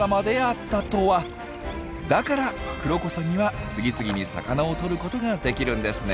だからクロコサギは次々に魚をとることができるんですね。